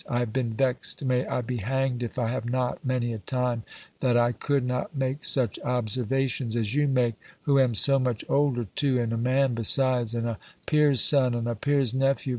I have been vex'd, may I be hang'd if I have not, many a time, thatt I coulde not make such observations as you make; who am so much older too, and a man besides, and a peere's son, and a _peere's nephew!